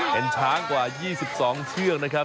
เป็นช้างกว่า๒๒เชือกนะครับ